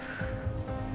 itu sudah berubah